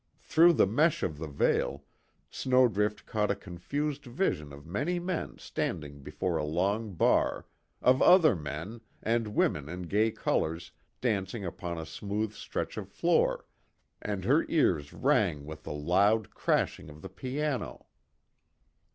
Through the mesh of the veil, Snowdrift caught a confused vision of many men standing before a long bar, of other men, and women in gay colors dancing upon a smooth stretch of floor, and her ears rang with the loud crashing of the piano.